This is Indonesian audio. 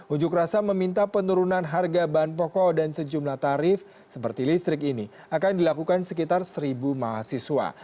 unjuk rasa meminta penurunan harga bahan pokok dan sejumlah tarif seperti listrik ini akan dilakukan sekitar seribu mahasiswa